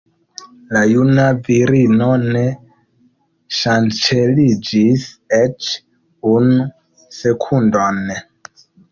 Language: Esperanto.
La juna virino ne ŝanceliĝis eĉ unu sekundon.